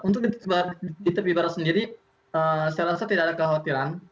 untuk di tepi barat sendiri saya rasa tidak ada kekhawatiran